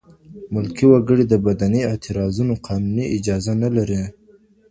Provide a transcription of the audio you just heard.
ملکي وګړي د مدني اعتراضونو قانوني اجازه نه لري.